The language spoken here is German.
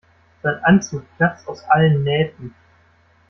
Sein Anzug platzt aus allen Nähten.